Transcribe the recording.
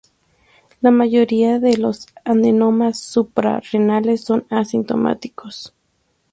La mayoría de los adenomas suprarrenales son asintomáticos.